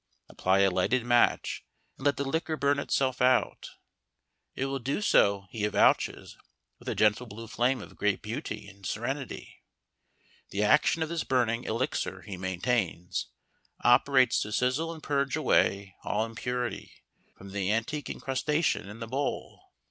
Apply a lighted match, and let the liquor burn itself out. It will do so, he avouches, with a gentle blue flame of great beauty and serenity. The action of this burning elixir, he maintains, operates to sizzle and purge away all impurity from the antique incrustation in the bowl.